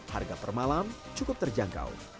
harga per malam cukup terjangkau